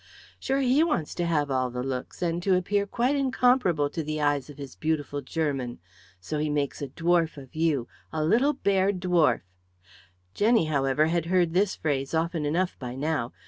Sure, he wants to have all the looks and to appear quite incomparable to the eyes of his beautiful German. So he makes a dwarf of you, a little bear dwarf " Jenny, however, had heard this phrase often enough by now.